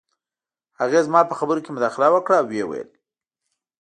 هغې زما په خبرو کې مداخله وکړه او وویې ویل